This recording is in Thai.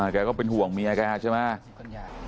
ก็เป็นห่วงเมียแกใช่ไหม